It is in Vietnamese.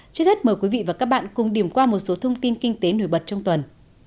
trước hết mời quý vị và các bạn cùng điểm qua một số thông tin kinh tế nổi bật trong tuần